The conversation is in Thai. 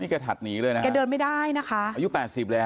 แกถัดหนีเลยนะแกเดินไม่ได้นะคะอายุแปดสิบเลยฮ